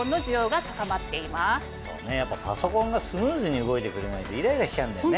そうねやっぱパソコンがスムーズに動いてくれないとイライラしちゃうんだよね。